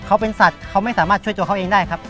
เขาเป็นสัตว์เขาไม่สามารถช่วยตัวเขาเองได้ครับ